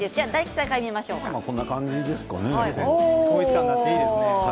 統一感があっていいですね。